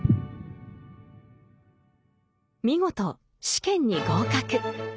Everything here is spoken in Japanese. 見事試験に合格。